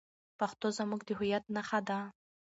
پښتو زموږ د هویت نښه ده.